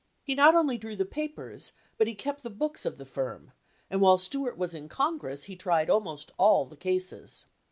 He not only drew the papers, but he kept the books of the firm, and while Stuart was in Congress he tried almost all the cases.